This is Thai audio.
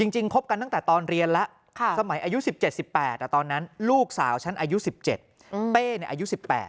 คบกันตั้งแต่ตอนเรียนแล้วสมัยอายุ๑๗๑๘ตอนนั้นลูกสาวฉันอายุ๑๗เป้อายุ๑๘